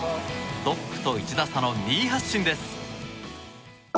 トップと１打差の２位発進です。